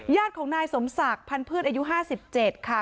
ญาติของนายสมศักดิ์พันธ์พืชอายุ๕๗ค่ะ